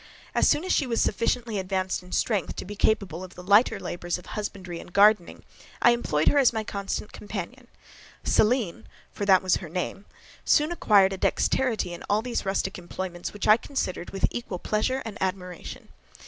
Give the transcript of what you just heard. As soon as she was sufficiently advanced in strength to be capable of the lighter labours of husbandry and gardening, I employed her as my constant companion. Selene, for that was her name, soon acquired a dexterity in all these rustic employments which I considered with equal pleasure and admiration.